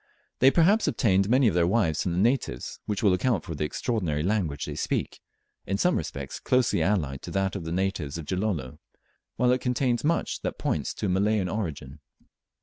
They perhaps obtained many of their wives from the natives, which will account for the extraordinary language they speak in some respects closely allied to that of the natives of Gilolo, while it contains much that points to a Malayan origin.